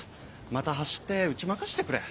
また走って打ち負かしてくれ。